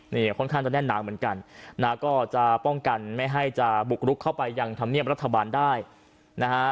นี่ค่อนข้างจะแน่นหนาเหมือนกันนะก็จะป้องกันไม่ให้จะบุกรุกเข้าไปยังธรรมเนียบรัฐบาลได้นะฮะ